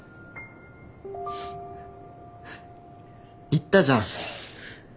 言ったじゃん